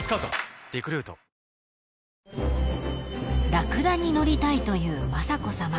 ［ラクダに乗りたいという雅子さま